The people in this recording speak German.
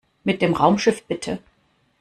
Mit dem Raumschiff, bitte!